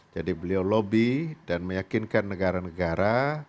jadi beliau lobby dan meyakinkan negara negara